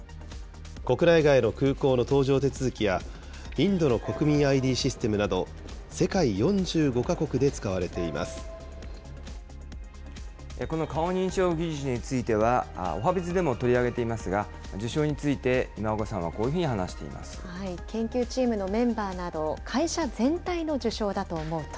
国内外の空港の搭乗手続きや、インドの国民ＩＤシステムなど、この顔認証技術については、おはＢｉｚでも取り上げていますが、受章について今岡さんはこう研究チームのメンバーなど、会社全体の受章だと思うと。